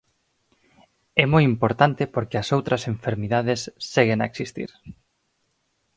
É moi importante porque as outras enfermidades seguen a existir.